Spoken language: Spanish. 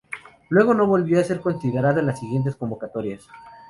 Luego no volvió a ser considerado en las siguientes convocatorias.